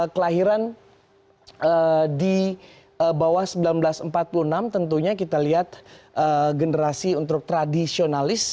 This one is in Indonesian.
kelahiran di bawah seribu sembilan ratus empat puluh enam tentunya kita lihat generasi untuk tradisionalis